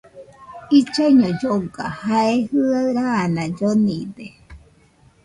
Illaiño lloga, jae jɨaɨ raana llonide